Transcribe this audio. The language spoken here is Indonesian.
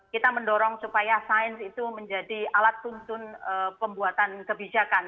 kita mendorong supaya sains itu menjadi alat tuntun pembuatan kebijakan